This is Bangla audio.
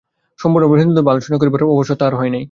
সম্পূর্ণভাবে হিন্দুধর্ম আলোচনা করিবার অবসর তাঁহার হয় নাই।